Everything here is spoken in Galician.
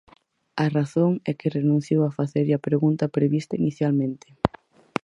A razón é que renunciou a facerlle a pregunta prevista inicialmente.